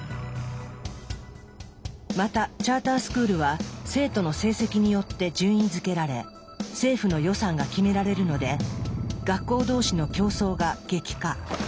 またチャータースクールは生徒の成績によって順位づけられ政府の予算が決められるので学校同士の競争が激化。